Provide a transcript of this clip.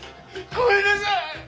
ごめんなさい。